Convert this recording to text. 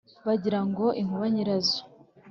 . Bagira ngo inkuba nyirazo